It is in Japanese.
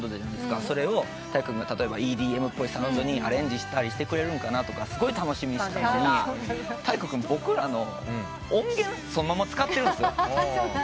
それを体育君が例えばＥＤＭっぽいサウンドにアレンジしたりしてくれるんかなとかすごい楽しみにしてたのに体育君僕らの音源そのまま使ってるんですよ。